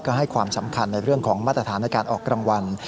ก็ให้ความสำคัญในเรื่องของมาตรฐานในการออกรางวัล